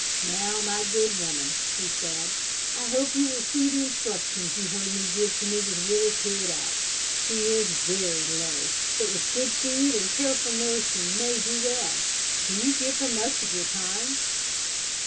"Now, my good woman," he said, "I hope you will see the instructions you heard me give to Mrs Willis carried out. She is very low, but with good food and careful nursing may do well. Can you give her much of your time?"